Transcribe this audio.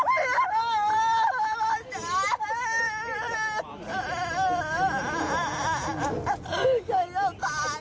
ช่วยเราก่อน